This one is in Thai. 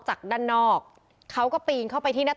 ทีมข่าวเราก็พยายามสอบปากคำในแหบนะครับ